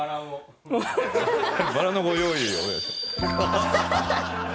バラのご用意をお願いします。